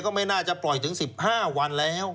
ก็ไม่น่าจะปล่อยถึง๑๕วันแล้ว